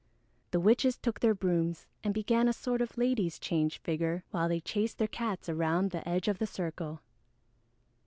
The witches took their brooms and began a sort of "ladies change" figure while they chased their cats around the edge of the circle.